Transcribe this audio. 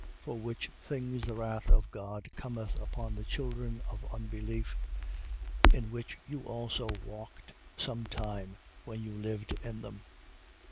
3:6. For which things the wrath of God cometh upon the children of unbelief. 3:7. In which you also walked some time, when you lived in them.